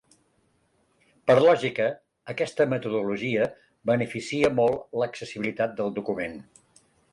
Per lògica, aquesta metodologia beneficia molt l'accessibilitat del document.